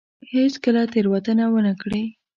هېڅ کله تېروتنه ونه کړي.